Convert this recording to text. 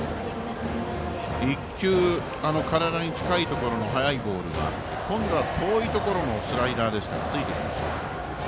１球、体に近いところの速いボールもあって今度は遠いところのスライダーでしたがついてきました。